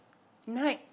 ない。